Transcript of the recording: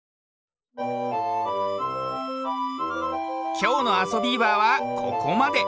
きょうの「あそビーバー」はここまで。